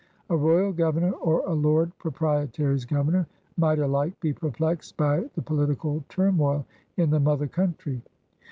A Royal Governor or a Lord Pro prietary's Governor might alike be perplexed by the political turmoil in the mother country.